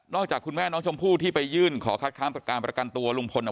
จากคุณแม่น้องชมพู่ที่ไปยื่นขอคัดค้างการประกันตัวลุงพล